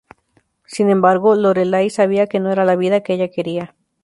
Sin embargo, Lorelai sabía que no era la vida que ella quería.